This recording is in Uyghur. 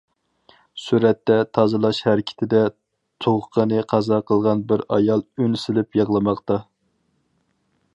سۈرەتتە تازىلاش ھەرىكىتىدە تۇغقىنى قازا قىلغان بىر ئايال ئۈن سېلىپ يىغلىماقتا.